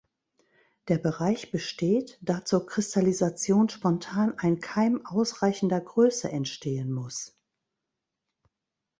Der Bereich besteht, da zur Kristallisation spontan ein Keim ausreichender Größe entstehen muss.